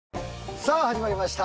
さあ始まりました！